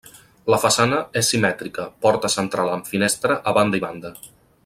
La façana és simètrica: porta central amb finestra a banda i banda.